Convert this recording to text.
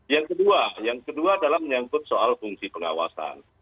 yang kedua yang kedua adalah menyangkut soal fungsi pengawasan